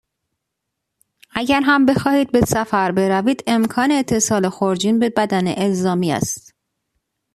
اگر هم بخواهید به سفر بروید، امکان اتصال خورجین به بدنه الزامی است.